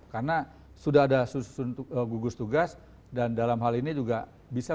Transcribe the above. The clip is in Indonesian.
karena sudah ada susun gugus tugas dan dalam hal ini juga bisa